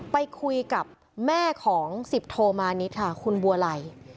ไปคุยกับแม่ของสิบโทมานิดค่ะคุณบัวไล